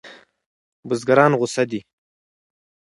بزګران غوسه دي.